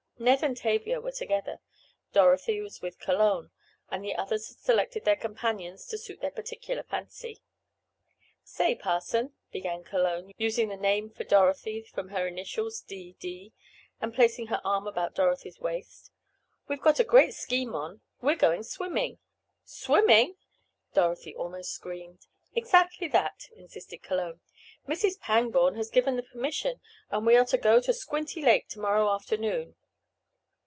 Ned and Tavia were together, Dorothy was with Cologne, and the others had selected their companions to suit their particular fancy. "Say, Parson," began Cologne, using the name made for Dorothy from her initials "D. D.," and placing her arm about Dorothy's waist, "we've got a great scheme on. We're going swimming!" "Swimming!" Dorothy almost screamed. "Exactly that," insisted Cologne. "Mrs. Pangborn has given the permission and we are to go to Squinty Lake to morrow afternoon."